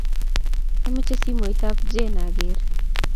Amache simoit ab Jane aker